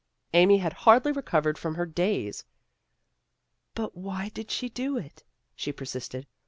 Amy had hardly recovered from her daze. " But why did she do it? " she persisted.